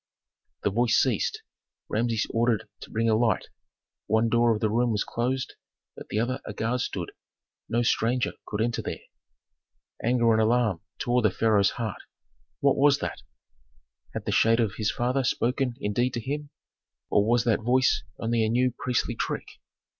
The voice ceased, Rameses ordered to bring a light. One door of the room was closed, at the other a guard stood. No stranger could enter there. Anger and alarm tore the pharaoh's heart. "What was that? Had the shade of his father spoken indeed to him, or was that voice only a new priestly trick?"